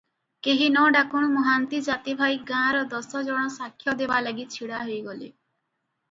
କେହି ନ ଡାକୁଣୁ ମହାନ୍ତି ଜାତିଭାଇ ଗାଁର ଦଶ ଜଣ ସାକ୍ଷ ଦେବା ଲାଗି ଛିଡ଼ା ହୋଇଗଲେ ।